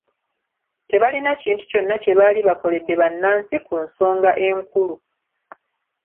Tebalina kintu kyonna kye baali bakoledde bannansi ku nsonga enkulu.